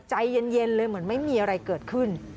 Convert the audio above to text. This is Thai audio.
ใจเย็นเลยเหมือนไม่มีอะไรเกิดขึ้น